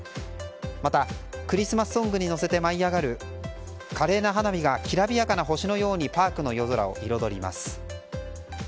また、クリスマスソングに乗せて舞い上がる華麗な花火がきらびやかな星のようにパークの夜空を彩ります。